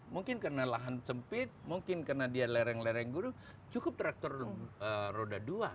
mungkin karena lahan sempit mungkin karena dia lereng lereng gunung cukup rektor roda dua